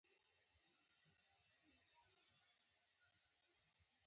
ماشوم د نړۍ لومړی درس د لیدلو له لارې زده کوي